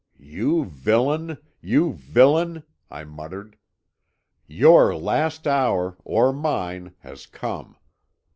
'You villain you villain!' I muttered. 'Your last hour, or mine, has come.